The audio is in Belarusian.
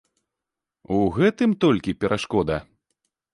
У гэтым толькі перашкода?